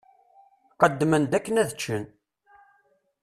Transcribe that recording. Qqedmen-d akken ad ččen.